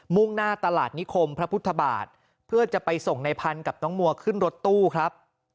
่งหน้าตลาดนิคมพระพุทธบาทเพื่อจะไปส่งในพันธุ์กับน้องมัวขึ้นรถตู้ครับ